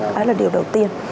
đó là điều đầu tiên